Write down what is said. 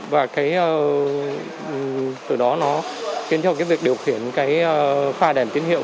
và cái từ đó nó khiến cho cái việc điều khiển cái pha đèn tiến hiệu